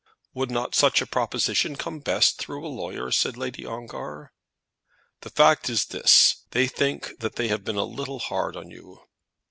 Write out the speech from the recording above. "Would not such a proposition come best through a lawyer?" said Lady Ongar. "The fact is this, they think they have been a little hard on you."